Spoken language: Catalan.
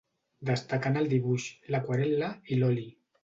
Destacà en el dibuix, l'aquarel·la i l'oli.